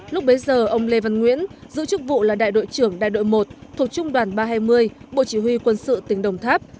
lúc bấy giờ ông lê văn nguyễn giữ chức vụ là đại đội trưởng đại đội một thuộc trung đoàn ba trăm hai mươi bộ chỉ huy quân sự tỉnh đồng tháp